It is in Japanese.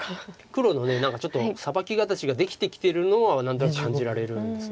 黒の何かちょっとサバキ形ができてきてるのは何となく感じられるんです。